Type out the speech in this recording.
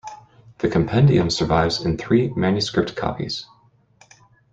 The compendium survives in three manuscript copies.